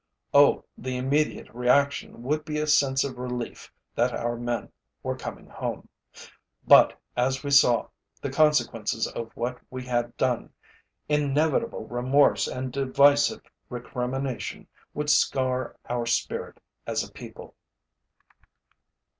Oh, the immediate reaction would be a sense of relief that our men were coming home. But as we saw the consequences of what we had done, inevitable remorse and divisive recrimination would scar our spirit as a people.